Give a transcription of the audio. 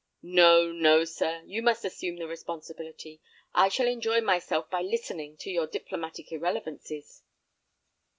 "No, no, sir, you must assume the responsibility. I shall enjoy myself by listening to your diplomatic irrelevances."